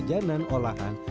dan jajanan olahan